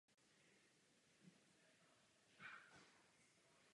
V ryze odborných textech se doporučuje zachovat vietnamský zápis i s diakritikou.